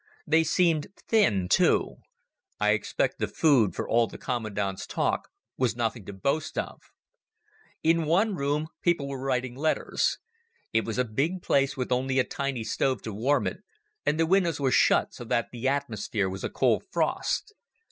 They seemed thin, too. I expect the food, for all the commandant's talk, was nothing to boast of. In one room people were writing letters. It was a big place with only a tiny stove to warm it, and the windows were shut so that the atmosphere was a cold frowst.